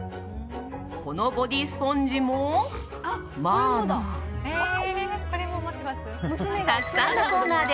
このボディースポンジもマーナ。